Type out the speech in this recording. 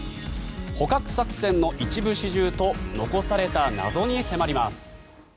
捕獲作戦の一部始終と残された謎に迫ります。